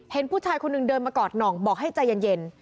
ผู้ชายคนหนึ่งเดินมากอดหน่องบอกให้ใจเย็น